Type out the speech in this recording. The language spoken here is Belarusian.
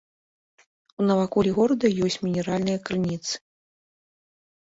У наваколлі горада ёсць мінеральныя крыніцы.